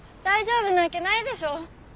大丈夫なわけないでしょ！